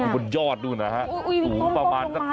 บนยอดดูนะครับประมาณ๓๐เมตร